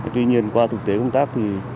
tuy nhiên qua thực tế công tác